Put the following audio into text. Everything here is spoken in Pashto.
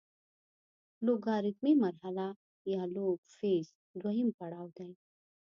لوګارتمي مرحله یا لوګ فیز دویم پړاو دی.